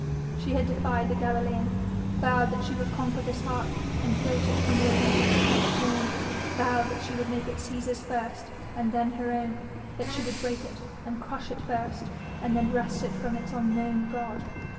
She had defied the Galilean, vowed that she would conquer this heart and filch it from the allegiance it had sworn, vowed that she would make it Cæsar's first and then her own, that she would break it and crush it first and then wrest it from its unknown God.